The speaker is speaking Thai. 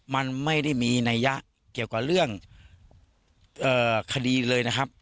มันไม่ได้มีนัยยะเกี่ยวกับเรื่องคดีเลยนะครับ